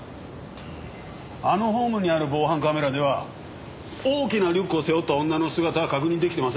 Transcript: あのホームにある防犯カメラでは大きなリュックを背負った女の姿は確認出来てません。